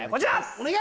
お願い！